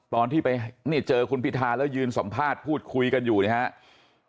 ตอนที่ไปนี่เจอคุณพิธาแล้วยืนสัมภาษณ์พูดคุยกันอยู่นะครับ